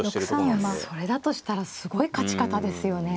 いやそれだとしたらすごい勝ち方ですよね。